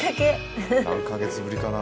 何か月ぶりかな。